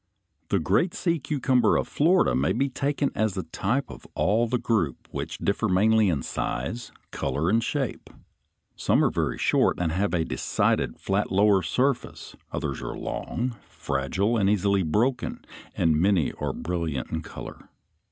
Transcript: The great sea cucumber of Florida may be taken as a type of all the group which differ mainly in size, color, and shape. Some are very short and have a decided flat lower surface; others are long, fragile, and easily broken; and many are brilliant in color.